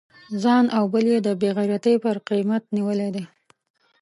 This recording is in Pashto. ځان او بل یې د بې غیرتی پر قیمت نیولی دی.